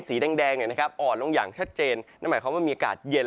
สีแดงอ่อนลงอย่างชัดเจนนั่นหมายความว่ามีอากาศเย็น